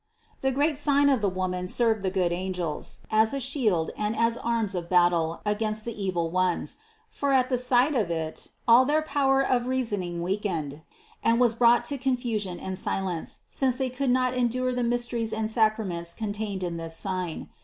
108. The great sign of the Woman served the good angels as a shield and as arms of battle against the evil ones; for at the sight of it, all their power of reasoning weakened and was brought to confusion and silence, since they could not endure the mysteries and sacra ments contained in this sign.